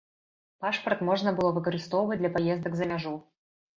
Пашпарт можна было выкарыстоўваць для паездак за мяжу.